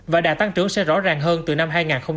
và đã tăng trưởng sẽ rõ ràng hơn từ năm hai nghìn hai mươi năm